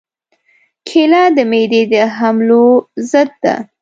کېله د معدې د حملو ضد ده.